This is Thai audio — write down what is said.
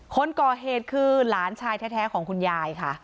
คนก่อเหตุคือหลานชายแท้ของคุณยายค่ะ